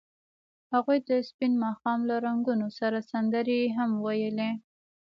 هغوی د سپین ماښام له رنګونو سره سندرې هم ویلې.